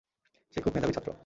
সে খুব মেধাবী ছাত্র।